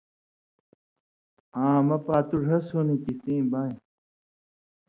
آں مہ پاتُو ڙھس ہُون٘دوۡ کھیں سِیں بانیۡ